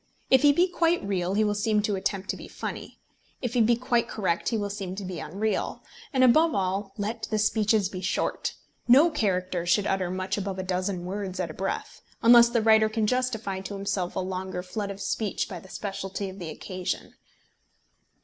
If he be quite real he will seem to attempt to be funny. If he be quite correct he will seem to be unreal. And above all, let the speeches be short. No character should utter much above a dozen words at a breath, unless the writer can justify to himself a longer flood of speech by the speciality of the occasion.